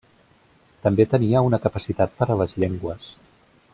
També tenia una capacitat per a les llengües.